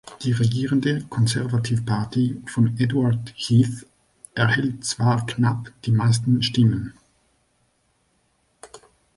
Die regierende Conservative Party von Edward Heath erhielt zwar knapp die meisten Stimmen.